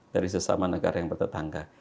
dari sesama negara yang bertetangga